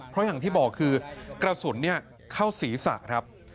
เพราะอย่างที่บอกคือกระสุนเข้าศีรษะครับ